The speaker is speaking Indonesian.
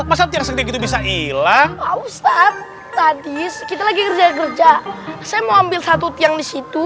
masjid segitu bisa ilang tadi kita lagi kerja kerja saya mau ambil satu yang disitu